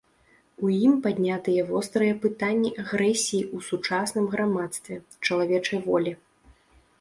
У ім паднятыя вострыя пытанні агрэсіі ў сучасным грамадстве, чалавечай волі.